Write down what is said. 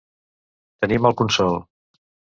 Tenir mal consol.